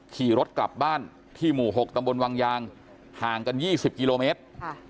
ขี่รถกลับบ้านที่หมู่๖ตำบลวังยางห่างกัน๒๐กิโลเมตร